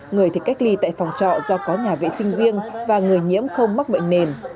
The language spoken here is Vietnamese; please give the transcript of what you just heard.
người thì cách ly tại phòng trọ do có nhà vệ sinh riêng và người nhiễm không mắc bệnh nền